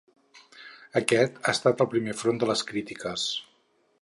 Aquest ha estat el primer front de les crítiques.